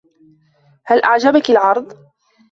هل أعجبكِ العرض؟